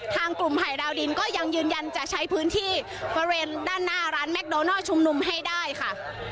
ทางกลุ่มภัยดาวดินก็ยังยืนยันจะใช้พื้นที่บริเวณด้านหน้าร้านแมคโดนัลชุมนุมให้ได้ค่ะ